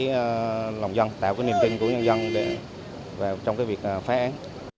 với lòng dân tạo cái niềm tin của nhân dân trong cái việc phá án